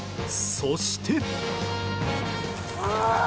そして。